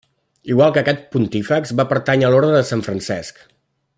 Igual que aquest Pontífex, va pertànyer a l'Orde de Sant Francesc.